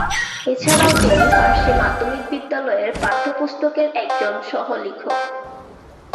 এছাড়াও তিনি ফার্সি মাধ্যমিক বিদ্যালয়ের পাঠ্যপুস্তকের একজন সহ-লেখক।